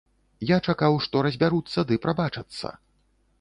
Я чакаў, што разбяруцца ды прабачацца.